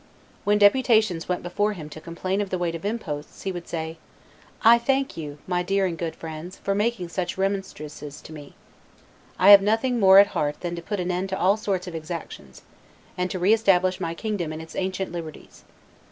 When deputations went before him to complain of the weight of imposts, he would say, "I thank you, my dear and good friends, for making such remonstrances to me; I have nothing more at heart than to put an end to all sorts of exactions, and to re establish my kingdom in its ancient liberties.